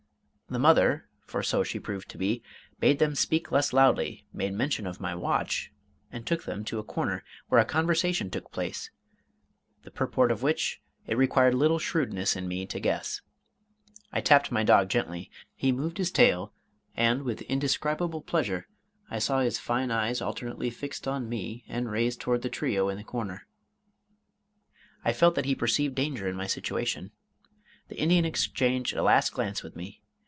The mother for so she proved to be bade them speak less loudly, made mention of my watch, and took them to a corner, where a conversation took place, the purport of which it required little shrewdness in me to guess. I tapped my dog gently. He moved his tail, and with indescribable pleasure I saw his fine eyes alternately fixed on me and raised toward the trio in the corner. I felt that he perceived danger in my situation. The Indian exchanged a last glance with me.